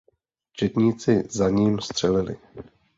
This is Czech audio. Četníci za ním stříleli.